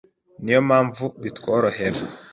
ni yo mpamvu bitworohera